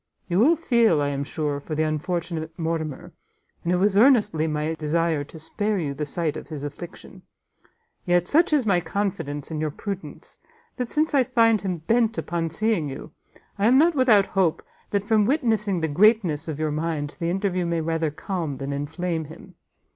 You will feel, I am sure, for the unfortunate Mortimer, and it was earnestly my desire to spare you the sight of his affliction; yet such is my confidence in your prudence, that since I find him bent upon seeing you, I am not without hope, that from witnessing the greatness of your mind, the interview may rather calm than inflame him.